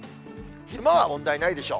昼間は問題ないでしょう。